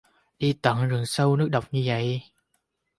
đi tận rừng sâu nước độc như vậy